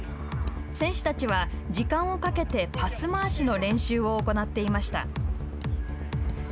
選手たちは時間をかけてパス回しの練習を行っていました。